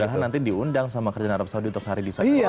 mudah mudahan nanti diundang sama kerjaan arab saudi untuk hari bisa keluar